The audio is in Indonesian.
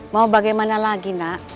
mau bagaimana lagi nak